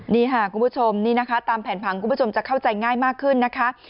นี่ค่ะคุณผู้ชมนี่นะคะตามแผนผังคุณผู้ชมจะเข้าใจง่ายมากขึ้นนะคะ